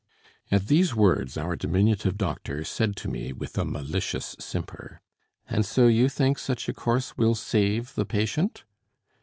At these words, our diminutive doctor said to me, with a malicious simper, "And so you think such a course will save the patient?"